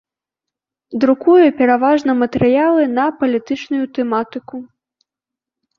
Друкуе пераважна матэрыялы на палітычную тэматыку.